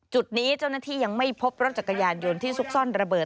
จุดนี้เจ้าหน้าที่ยังไม่พบรถจักรยานยนต์ที่ซุกซ่อนระเบิด